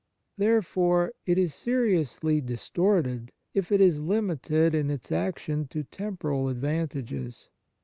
Therefore, it is seriously distorted, if it is limited in its action to temporal advantages.